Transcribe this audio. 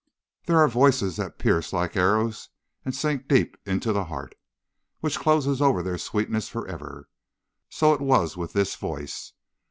"There are voices that pierce like arrows and sink deep into the heart, which closes over their sweetness forever. So it was with this voice.